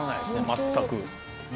全く。